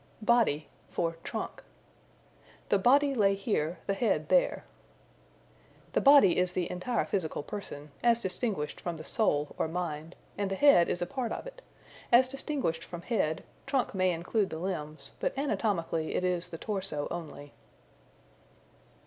Body for Trunk. "The body lay here, the head there." The body is the entire physical person (as distinguished from the soul, or mind) and the head is a part of it. As distinguished from head, trunk may include the limbs, but anatomically it is the torso only.